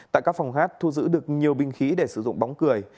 tại các phòng hát thu giữ được nhiều binh khí để sử dụng bóng cười